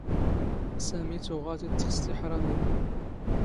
ⵙⴰⵎⵉ ⵜⵓⵖⴰ ⵜ ⵉⵜⵜⵅⵙ ⵜⵉⵃⵕⴰⵎⵉⵏ.